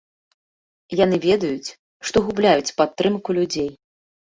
Яны ведаюць, што губляюць падтрымку людзей.